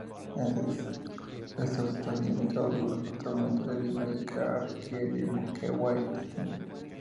Estos están limitados a los departamentos de Lima, Ica, Arequipa, Moquegua y Tacna.